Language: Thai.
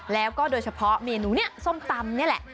แล้วก็โดยเฉพาะเมนูนี้ส้มตำนี่แหละ